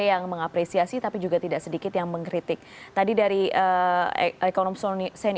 yang untuk kualitas